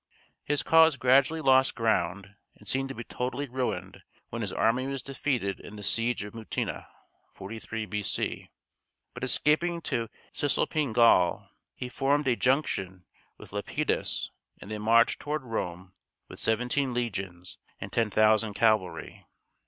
His cause gradually lost ground, and seemed to be totally ruined when his army was defeated in the siege of Mutina (43 B.C.). But escaping to Cisalpine Gaul, he formed a junction with Lepidus, and they marched toward Rome with 17 legions and 10,000 cavalry.